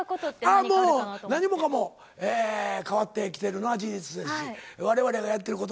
ああもう、何もかも変わってきてるのは事実ですし、われわれがやっているこ